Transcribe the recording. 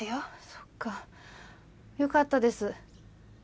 そっかよかったです。